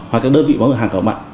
hoặc cái đơn vị bán hàng của bạn